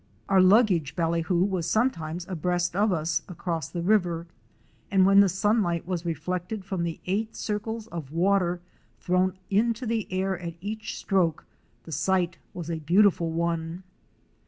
Our luggage ballyhoo was sometimes abreast of us across the river and when the sunlight was reflected from the eight circles of water thrown into the air at each stroke, the sight was a beautiful one.